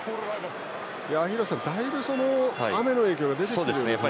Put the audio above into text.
廣瀬さん、だいぶ雨の影響が出てきていますね。